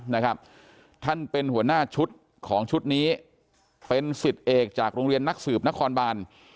นะครับท่านเป็นหัวหน้าชุดของชุดนี้เป็นสิทธิ์เอกจากโรงเรียนนักสืบนครบาน